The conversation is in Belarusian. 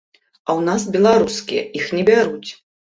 А ў нас беларускія, іх не бяруць.